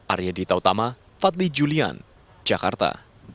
arya dita utama fadli julian jakarta